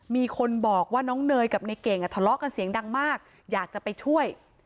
มีคนบอกว่าน้องเนยกับในเก่งอ่ะทะเลาะกันเสียงดังมากอยากจะไปช่วย